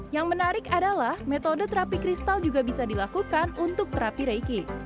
yang menarik adalah metode terapi kristal juga bisa dilakukan untuk terapi raiki